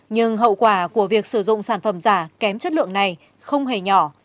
nhưng hậu quả của việc sử dụng sản phẩm giả kém chất lượng này không hề nhỏ